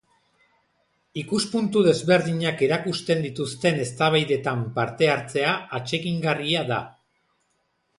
Ikuspuntu desberdinak erakusten dituzten eztabaidetan parte hartzea atsegingarria da.